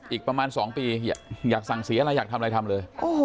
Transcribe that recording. อีกประมาณ๒ปีอยากสั่งเสียอะไรอยากทำอะไรทำเลย